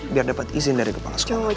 biar dapat izin dari kepala sekolah